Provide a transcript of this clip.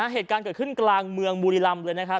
เหตุการณ์เกิดขึ้นกลางเมืองบุรีรำเลยนะครับ